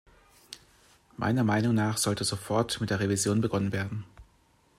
Meiner Meinung nach sollte sofort mit der Revision begonnen werden.